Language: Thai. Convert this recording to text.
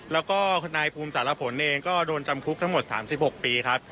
และนายภูมิสาระผลเองจำคลุก๓๖ปี